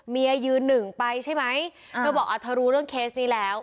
ยืนหนึ่งไปใช่ไหมเธอบอกเธอรู้เรื่องเคสนี้แล้ว